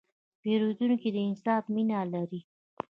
پیرودونکی د انصاف مینه لري.